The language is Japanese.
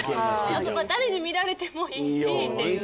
誰に見られてもいいしっていう。